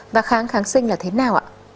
và kháng kháng sinh là thế nào ạ